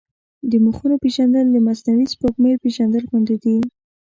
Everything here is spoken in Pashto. د مخونو پېژندل د مصنوعي سپوږمۍ پېژندل غوندې دي.